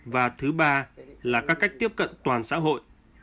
và thứ ba là các cách tiếp cận toàn xã hội